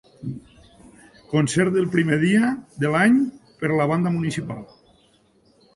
Concert del primer dia de l'any, per la banda municipal.